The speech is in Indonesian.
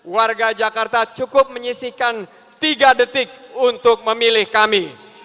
warga jakarta cukup menyisihkan tiga detik untuk memilih kami